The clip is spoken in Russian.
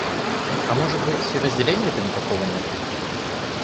А может быть, и разделения-то никакого нет.